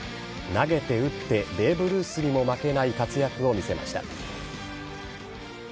投げて、打ってベーブ・ルースにも負けない活躍を見せました。